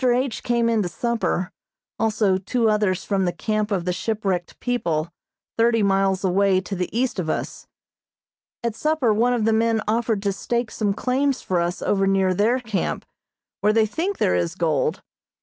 H. came in to supper, also two others from the camp of the shipwrecked people, thirty miles away to the east of us. At supper one of the men offered to stake some claims for us over near their camp, where they think there is gold.